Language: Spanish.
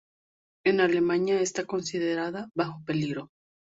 En Alemania está considerada bajo peligro.